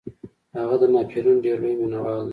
هغه د ناپلیون ډیر لوی مینوال دی.